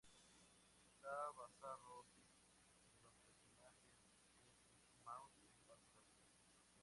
Está basado en los personajes de Mickey Mouse y Pato Donald.